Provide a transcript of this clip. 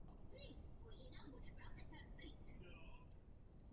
Dvě třetiny tohoto programu se dostaly na světlo světa.